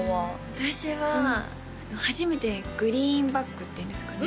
私は初めてグリーンバックっていうんですかね？